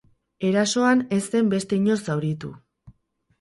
Erasoan ez zen beste inor zauritu.